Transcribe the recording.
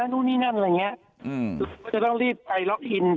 คือครับ